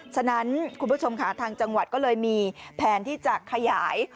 ฉะนั้นคุณผู้ชมค่ะทางจังหวัดก็เลยมีแผนที่จะขยาย